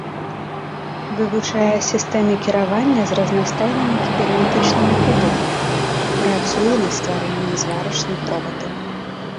Вывучае сістэмы кіравання з разнастайнымі кібернетычнымі прыборамі, працуе над стварэннем зварачных робатаў.